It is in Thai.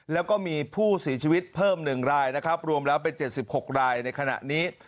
แล้วก็มีผู้เสียชีวิตเพิ่ม๑รายนะครับรวมแล้วเป็น๗๖รายในขณะนี้